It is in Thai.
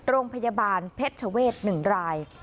โรงพยาบาลเพชรเวศ๑ราย